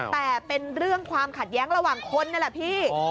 แต่เป็นเรื่องความขัดแย้งระหว่างคนนั่นแหละพี่